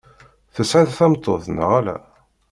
Tesɛiḍ tameṭṭut neɣ ala?